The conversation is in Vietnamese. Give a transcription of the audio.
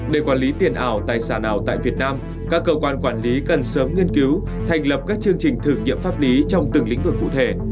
để quản lý tiền ảo tài sản nào tại việt nam các cơ quan quản lý cần sớm nghiên cứu thành lập các chương trình thử nghiệm pháp lý trong từng lĩnh vực cụ thể